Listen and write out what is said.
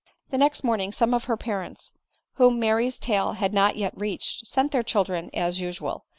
The next morning some of the parents, whom Mary's tale had not yet reached, sent their children, as usual.